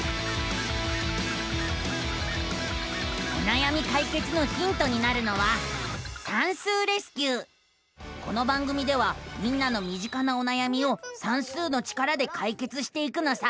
おなやみかいけつのヒントになるのはこの番組ではみんなのみ近なおなやみを算数の力でかいけつしていくのさ！